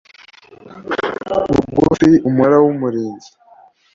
bugufi Umunara w Umurinzi